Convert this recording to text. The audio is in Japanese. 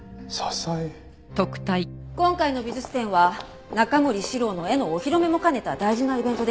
今回の美術展は中森司郎の絵のお披露目も兼ねた大事なイベントです。